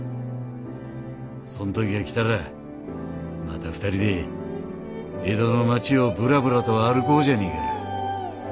そん時が来たらまた２人で江戸の町をぶらぶらと歩こうじゃねえか。